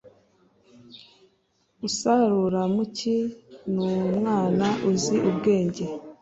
usarura mu cyi ni umwana uzi ubwenge